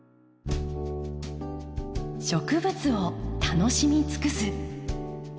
植物を楽しみ尽くす。